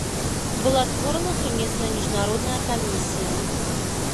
Была створана сумесная міжнародная камісія.